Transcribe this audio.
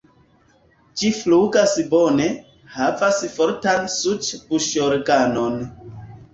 Ĝi flugas bone, havas fortan suĉ-buŝorganon.